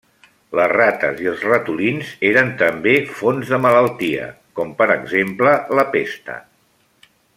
Les rates i els ratolins eren també fonts de malaltia, com per exemple la pesta.